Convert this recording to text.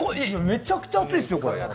めちゃくちゃ熱いです。